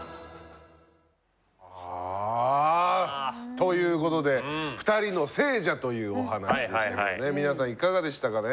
ということで「２人の聖者」というお話でしたけどね皆さんいかがでしたかね？